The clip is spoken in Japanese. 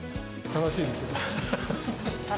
楽しいですよ。